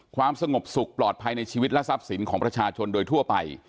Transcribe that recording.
ความสงบสุขปลอดภัยในชีวิตและทรัพย์สินของประชาชนโดยทั่วไป